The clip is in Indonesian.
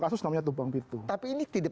kasus namanya tumpang bitung tapi ini tidak